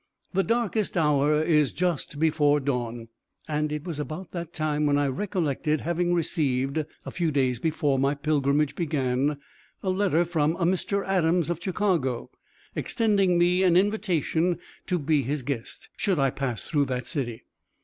"The darkest hour is just before dawn," and it was about that time when I recollected having received, a few days before my pilgrimage began, a letter from a Mr. Adams, of Chicago, extending me an invitation to be his guest, should I pass through that city.